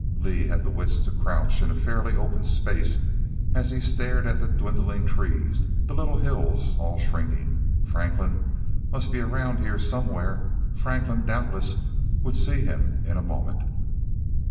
Lee had the wits to crouch in a fairly open space as he stared at the dwindling trees, the little hills, all shrinking. Franklin must be around here somewhere. Franklin doubtless would see him in a moment.